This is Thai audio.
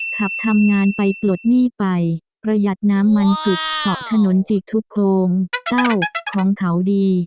ขับทำงานไปปลดหนี้ไปประหยัดน้ำมันสุดเกาะถนนจิกทุกโครงเต้าของเขาดี